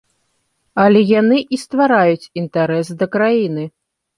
Але яны і ствараюць інтарэс да краіны.